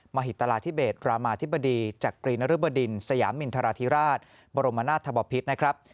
มหิตราธิเบศรามาธิบดีจักรีนริบดินสยามินทราธิราชบรมนาธบพิษนะครับ